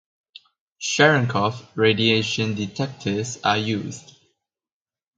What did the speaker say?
Cherenkov radiation detectors are used.